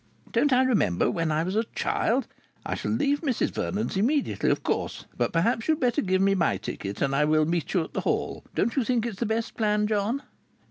Don't I remember when I was a child! I shall leave Mrs Vernon's immediately, of course, but perhaps you'd better give me my ticket and I will meet you at the hall. Don't you think it's the best plan, John?"